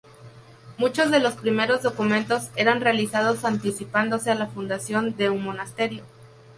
Muchos de los primeros documentos eran realizados anticipándose a la fundación de un monasterio.